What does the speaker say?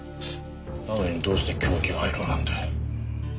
なのにどうして凶器がアイロンなんだ？